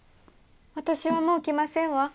私はもう来ませんわ。